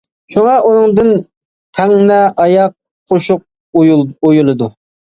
شۇڭا ئۇنىڭدىن تەڭنە، ئاياق، قوشۇق ئويۇلىدۇ.